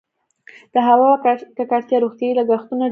د هوا ککړتیا روغتیايي لګښتونه ډیروي؟